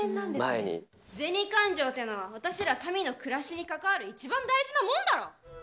銭勘定っていうのは、私ら民の暮らしに関わる、一番大事なもんだろ。